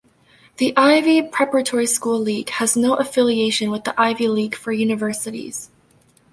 The Ivy Preparatory School League has no affiliation with the Ivy League for universities.